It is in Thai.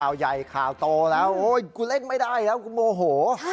ข่าวใหญ่ข่าวโตแล้วโอ๊ยกูเล่นไม่ได้แล้วกูโมโห